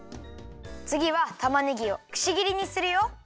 つぎはたまねぎをくしぎりにするよ。